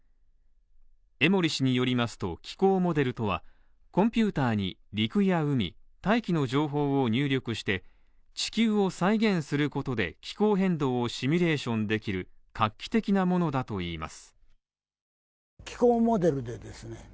江守氏によりますと、気候モデルとは、コンピューターに、陸や海、大気の情報を入力して、地球を再現することで、気候変動をシミュレーションできる画期的なものだといいます。